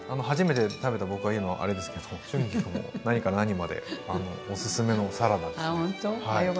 初めて食べた僕が言うのもあれですけど春菊も何から何までおすすめのサラダですね。